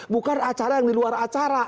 bukan acara yang di luar acara